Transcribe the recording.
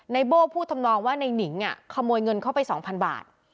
นายโบ้พูดทำนองว่าในนิงอ่ะขโมยเงินเข้าไปสองพันบาท